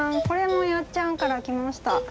これもやっちゃんから来ました。